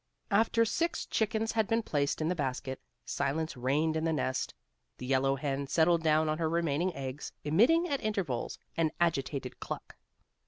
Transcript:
After six chickens had been placed in the basket, silence reigned in the nest. The yellow hen settled down on her remaining eggs, emitting, at intervals, an agitated cluck.